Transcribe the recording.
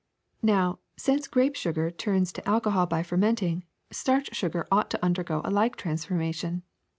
Now, since grape sugar turns to alcohol by fermenting, starch sugar ought to undergo a like transformation.